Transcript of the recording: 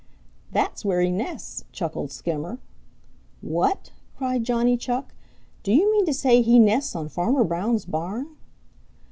"That's where he nests," chuckled Skimmer. "What?" cried Johnny Chuck. "Do you mean to say he nests on Farmer Brown's barn?"